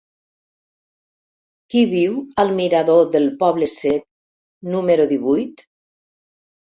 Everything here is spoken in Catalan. Qui viu al mirador del Poble Sec número divuit?